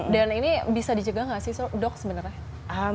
dan ini bisa dicegah nggak sih dok sebenarnya